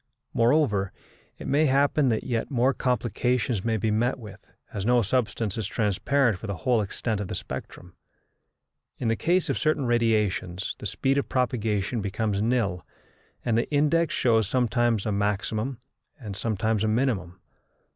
Moreover, it may happen that yet more complications may be met with, as no substance is transparent for the whole extent of the spectrum. In the case of certain radiations the speed of propagation becomes nil, and the index shows sometimes a maximum and sometimes a minimum.